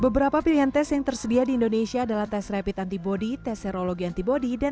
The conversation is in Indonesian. beberapa pilihan tes yang tersedia di indonesia adalah tes rapid antibody tes serologi antibody dan